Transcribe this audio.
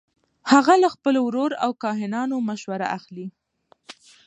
هغه له خپل ورور او کاهنانو مشوره اخلي.